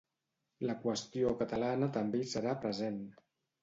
La qüestió catalana també hi serà present.